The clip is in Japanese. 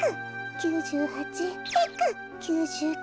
９９。